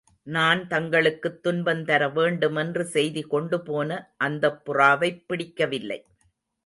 நான் தங்களுக்குத் துன்பந் தர வேண்டுமென்று செய்தி கொண்டுபோன அந்தப் புறாவைப் பிடிக்கவில்லை.